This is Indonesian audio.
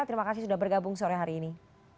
terima kasih sudah bergabung sore hari ini